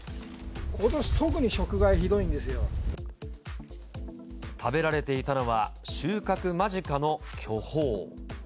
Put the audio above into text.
ことし、食べられていたのは、収穫間近の巨峰。